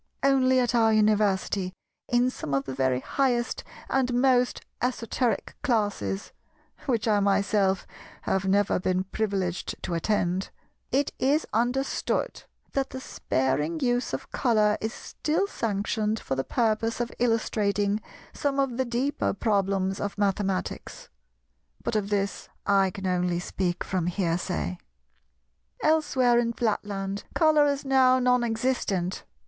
Only at our University in some of the very highest and most esoteric classes—which I myself have never been privileged to attend—it is understood that the sparing use of Colour is still sanctioned for the purpose of illustrating some of the deeper problems of mathematics. But of this I can only speak from hearsay. Elsewhere in Flatland, Colour is now non existent.